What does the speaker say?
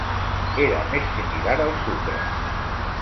Era més similar al sucre.